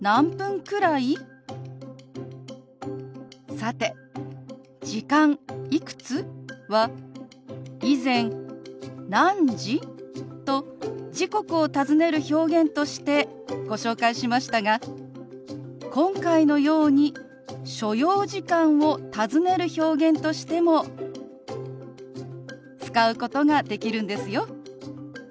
さて「時間」「いくつ？」は以前「何時？」と時刻を尋ねる表現としてご紹介しましたが今回のように所要時間を尋ねる表現としても使うことができるんですよ。